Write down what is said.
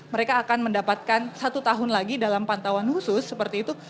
mereka akan mendapatkan satu tahun lagi dalam pantauan khusus seperti itu